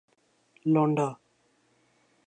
لونڈا